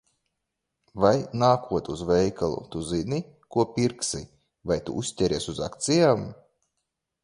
Vai, nākot uz veikalu, Tu zini, ko pirksi? Vai Tu uzķeries uz akcijām?